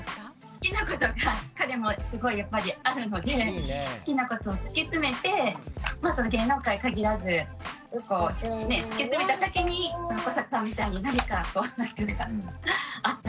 好きなことが彼もすごいやっぱりあるので好きなことを突き詰めて芸能界限らず突き詰めた先に古坂さんみたいに何かあったらいいのかなっていうふうに。